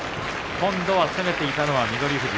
今度は攻めていたのは翠富士。